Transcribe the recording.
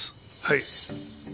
はい。